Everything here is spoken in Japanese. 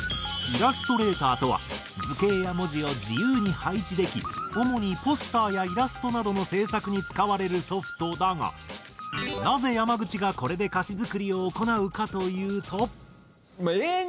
イラストレーターとは図形や文字を自由に配置でき主にポスターやイラストなどの制作に使われるソフトだがなぜ山口がこれで歌詞作りを行うかというと。